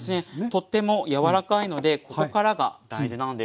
とっても柔らかいのでここからが大事なんです。